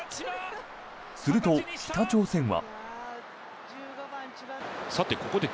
すると、北朝鮮は。